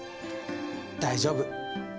大丈夫。